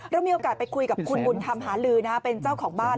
เรามีโอกาสไปคุยกับคุณบุญธรรมหาลือเป็นเจ้าของบ้าน